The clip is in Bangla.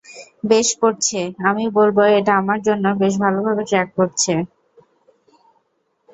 বেশ করছে, আমি বলব এটা আমার জন্য বেশ ভালোভাবে ট্র্যাক করছে।